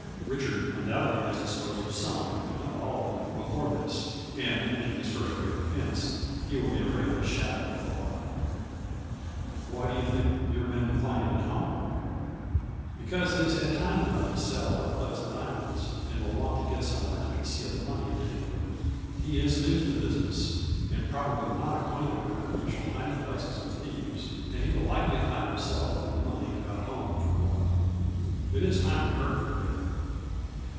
Richard undoubtedly has disposed of some, if not all of them, before this, and it being his first great offense, he will be afraid of his shadow for awhile." " Why do you think your men will find him at home ?" A FLURRY IN DIAMONDS. $3 " Because he has had time enough to sell or pledge the diamonds, and will want to get some where to conceal the money obtained for them. He is new to the business, and probably not acquainted around the usual hiding places of thieves, and he will likely hide himself and the money about home for awhile. It is time we heard from there."